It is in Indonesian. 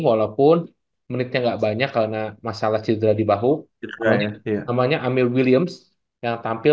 walaupun menitnya enggak banyak karena masalah cedera dibahu namanya amir williams yang tampil